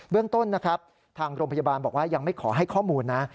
เรื่องต้นนะครับทางโรงพยาบาลบอกว่ายังไม่ขอให้ข้อมูลนะ